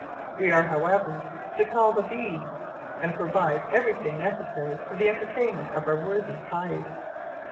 We are, however, to call the "bee," and provide every thing necessary for the entertainment of our worthy hive.